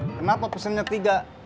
kenapa pesennya tiga